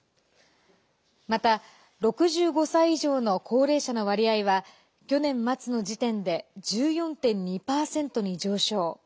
また６５歳以上の高齢者の割合は去年末の時点で１４．２％に上昇。